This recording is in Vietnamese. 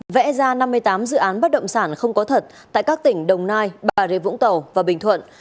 vẽ ra năm mươi tám dự án bất động sản không có thật tại các tỉnh đồng nai bà rịa vũng tàu và bình thuận